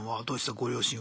ご両親は。